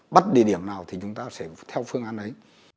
bắt địa điểm nào thì chúng ta sẽ theo phương án ấy